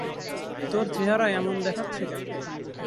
তোর চেহারা এমন দেখাচ্ছে কেন?